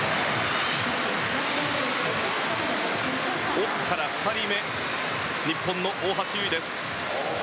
奥から２人目日本の大橋悠依です。